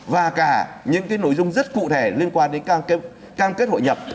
và cả những nội dung rất cụ thể liên quan đến cam kết hội nhập